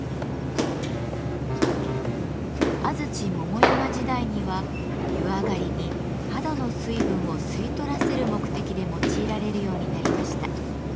安土桃山時代には湯上がりに肌の水分を吸い取らせる目的で用いられるようになりました。